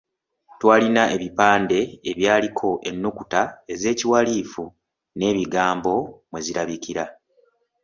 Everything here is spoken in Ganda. Twalina ebipande ebyaliko ennukuta ez’ekiwalifu n'ebigambo mwe zirabikira.